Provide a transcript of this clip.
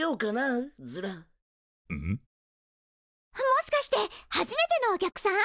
もしかして初めてのお客さん？